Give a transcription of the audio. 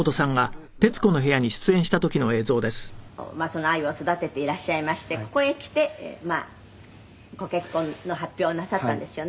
「その愛を育てていらっしゃいましてここへ来てまあご結婚の発表をなさったんですよね」